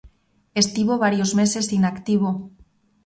Estivo varios meses inactivo.